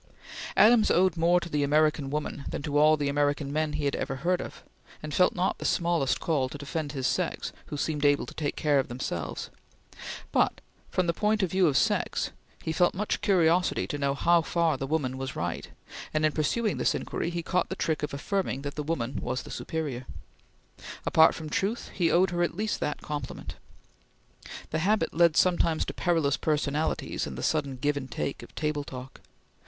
Adams owed more to the American woman than to all the American men he ever heard of, and felt not the smallest call to defend his sex who seemed able to take care of themselves; but from the point of view of sex he felt much curiosity to know how far the woman was right, and, in pursuing this inquiry, he caught the trick of affirming that the woman was the superior. Apart from truth, he owed her at least that compliment. The habit led sometimes to perilous personalities in the sudden give and take of table talk.